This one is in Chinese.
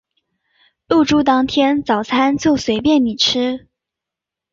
入住当天早餐就随便你吃